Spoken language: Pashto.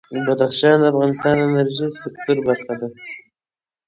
بدخشان د افغانستان د انرژۍ سکتور برخه ده.